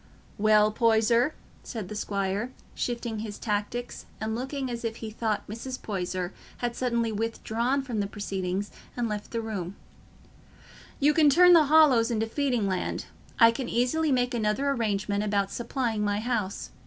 "Well, Poyser," said the squire, shifting his tactics and looking as if he thought Mrs. Poyser had suddenly withdrawn from the proceedings and left the room, "you can turn the Hollows into feeding land. I can easily make another arrangement about supplying my house.